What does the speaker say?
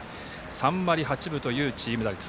３割８分というチーム打率。